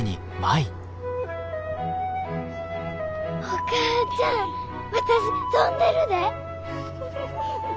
お母ちゃん私飛んでるで！